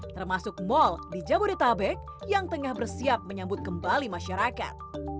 termasuk mal di jabodetabek yang tengah bersiap menyambut kembali masyarakat